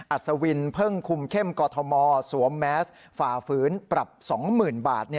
อัศวินเพิ่งคุมเข้มกอทมสวมแมสฝ่าฝืนปรับ๒๐๐๐บาท